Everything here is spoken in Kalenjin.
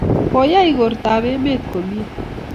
Ko yae igorta ab emet komie